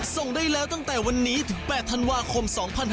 ส่งได้แล้วตั้งแต่วันนี้ถึง๘ธันวาคม๒๕๖๒